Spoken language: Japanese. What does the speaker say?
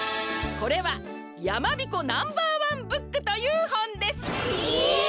これは「やまびこナンバーワンブック」というほんです！え！？